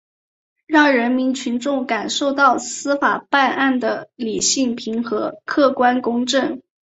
让人民群众感受到司法办案的理性平和、客观公正